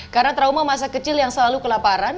karena trauma masa kecil yang selalu kelaparan